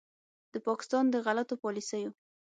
د پاکستان د غلطو پالیسیو